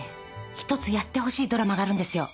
ひとつやってほしいドラマがあるんですよ。